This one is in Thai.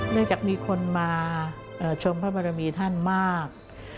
จากมีคนมาชมพระบรมีท่านมาก